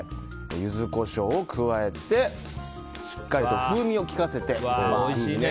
ユズコショウを加えてしっかりと風味を利かせて。